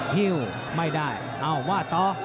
หิวไม่ได้อ้าววาดต่อ